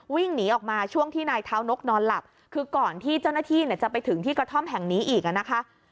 วิ่งหนีออกมาช่วงที่นายเท้านกนอนหลับคือก่อนที่เจ้าหน้าที่จะไปถึงที่กระท่อมแห่งนี้อีกอ่ะนะคะ